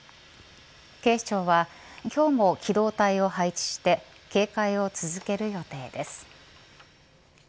警視庁は今日も機動隊を配置して警戒を続ける予定です。